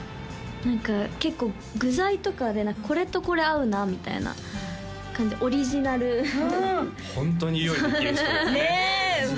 何か結構具材とかでこれとこれ合うなみたいな感じでオリジナルホントに料理できる人ですねねえ